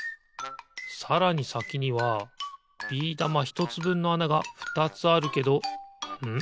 さらにさきにはビー玉ひとつぶんのあながふたつあるけどん？